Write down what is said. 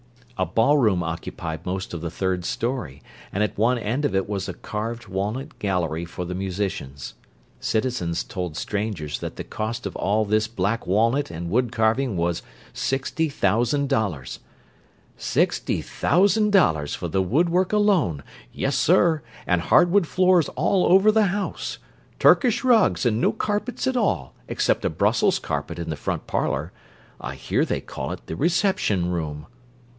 A ballroom occupied most of the third story; and at one end of it was a carved walnut gallery for the musicians. Citizens told strangers that the cost of all this black walnut and wood carving was sixty thousand dollars. "Sixty thousand dollars for the wood work alone! Yes, sir, and hardwood floors all over the house! Turkish rugs and no carpets at all, except a Brussels carpet in the front parlour—I hear they call it the 'reception room.